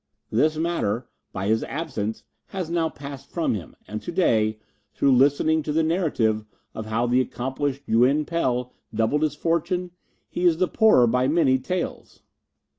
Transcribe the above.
This matter, by his absence, has now passed from him, and to day, through listening to the narrative of how the accomplished Yuin Pel doubled his fortune, he is the poorer by many taels."